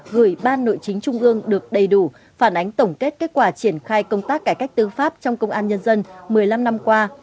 gửi ban nội chính trung ương được đầy đủ phản ánh tổng kết kết quả triển khai công tác cải cách tư pháp trong công an nhân dân một mươi năm năm qua